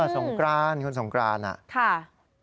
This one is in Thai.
สงกรานคุณสงกรานน่ะค่ะ